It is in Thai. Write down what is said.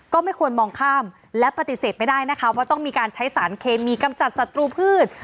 ก็ไม่ควรมองข้ามและปฏิเสธไม่ได้นะคะว่าต้องมีการใช้สารเคมีกำจัดศัตรูพืช